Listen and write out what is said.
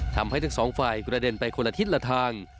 ทั้งสองฝ่ายกระเด็นไปคนละทิศละทาง